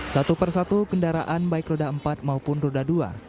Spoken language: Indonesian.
satu persatu kendaraan baik roda empat maupun roda dua